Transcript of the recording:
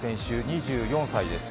２４歳です。